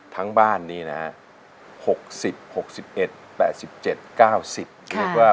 ทั้งบ้านนี้นะ